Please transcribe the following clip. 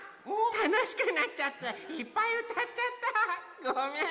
たのしくなっちゃっていっぱいうたっちゃったごめん！